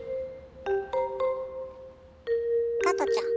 加トちゃん。